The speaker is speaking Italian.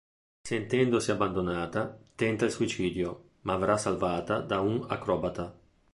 Sentendosi abbandonata, tenta il suicidio, ma verrà salvata da un acrobata.